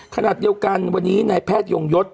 ขนาดเดียวกันวันนี้ในแพทยงยศ